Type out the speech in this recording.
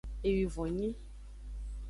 Ewivon nyi.